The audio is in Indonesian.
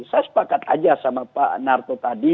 saya sepakat aja sama pak narto tadi